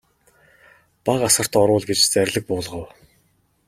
Бага асарт оруул гэж зарлиг буулгав.